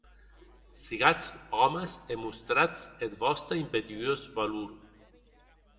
Sigatz òmes e mostratz eth vòste impetuós valor.